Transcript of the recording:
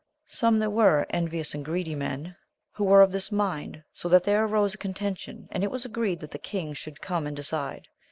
Some there were, envious and greedy men, who were of this mind, so that there arose a contention, and it was agreed that the king should come and decide.